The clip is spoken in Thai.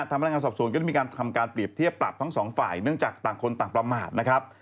พนักงานสอบสวนก็ได้มีการทำการเปรียบเทียบปรับทั้งสองฝ่ายเนื่องจากต่างคนต่างประมาทนะครับ